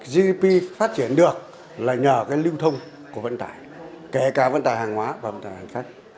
gdp phát triển được là nhờ cái lưu thông của vận tải kể cả vận tải hàng hóa và vận tải hành khách